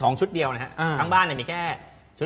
เล็กเล็กเล็กเล็กเล็กเล็ก